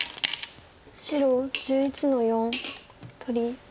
白１１の四取り。